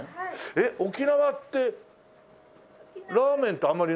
えっ沖縄ってラーメンってあまりないよね。